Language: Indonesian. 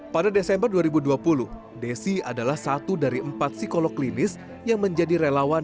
pada desember dua ribu dua puluh desi adalah satu dari empat psikolog klinis yang menjadi relawan